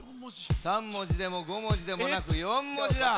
３文字でも５文字でもなく４文字だ。